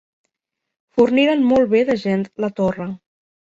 Forniren molt bé de gent la torre.